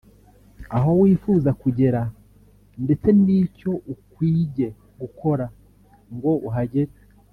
aho wifuza kugera ndetse n'icyo ukwige gukora ngo uhagere